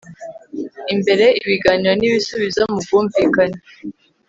imbere ibiganiro n ibisubizo mu bwumvikane